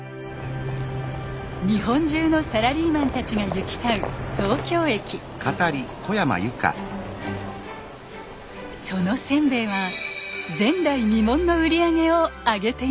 日本中のサラリーマンたちが行き交うそのせんべいは前代未聞の売り上げをあげていました。